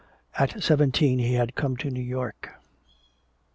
At seventeen he had come to New York.